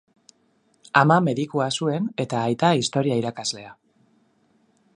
Ama medikua zuen eta aita historia irakaslea.